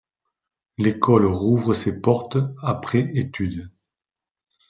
L’école rouvre ses portes après étude.